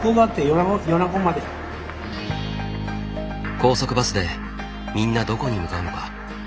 高速バスでみんなどこに向かうのか。